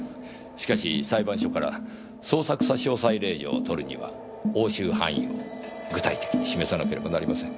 しかし裁判所から捜索差押令状を取るには押収範囲を具体的に示さなければなりません。